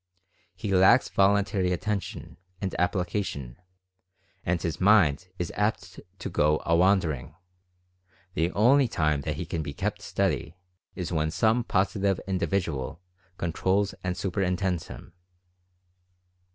He lacks voluntary attention, and application, and his mind is apt to "go a wandering" — the only time that he can be kept steady is when some Positive Individual con trols and superintends him.